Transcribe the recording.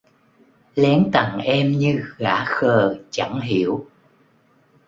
Lén tặng em như gã khờ chẳng hiểu